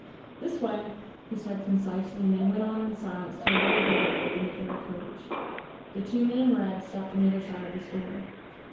"This way," he said concisely, and they went on in silence to a little door that opened at their approach. The two men in red stopped on either side of this door.